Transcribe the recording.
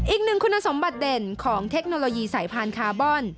อีกหนึ่งคุณสมบัติเด่นของเทคโนโลยีสายพันธุ์คาร์บอน